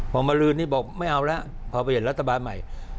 พอมาลืนนี่บอกไม่เอาแล้วพอไปเห็นรัฐบาลใหม่